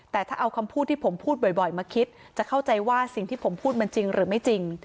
แต่ถ้าเอาคำพูดที่ผมพูดบ่อยมาคิดจะเข้าใจว่าสิ่งที่ผมพูดมันจริงหรือไม่จริง